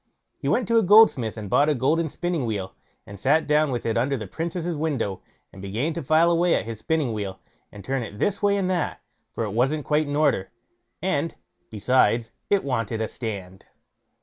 He went to a goldsmith and bought a golden spinning wheel, and sat down with it under the Princess' window, and began to file away at his spinning wheel, and to turn it this way and that, for it wasn't quite in order, and, besides, it wanted a stand.